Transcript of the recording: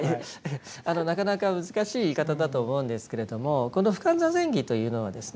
なかなか難しい言い方だと思うんですけれどもこの「普勧坐禅儀」というのはですね